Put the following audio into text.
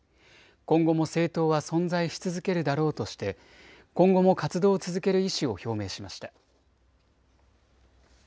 今後も政党は存在し続けるだろうとして今後も活動を続ける意思を表明しました。